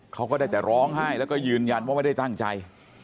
เขาก็ได้แต่ร้องไห้แล้วก็ยืนยันว่าไม่ได้ตั้งใจ